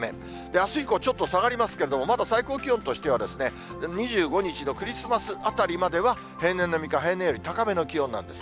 あす以降、ちょっと下がりますけれども、まだ最高気温としては２５日のクリスマスあたりまでは、平年並みか平年より高めの気温なんです。